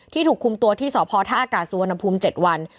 ที่ถูกคุมตัวที่สอบพอร์ตท่าอากาศสวนภูมิ๗วัน